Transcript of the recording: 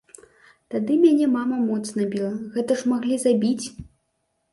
Тады мяне мама моцна біла, гэта ж маглі забіць.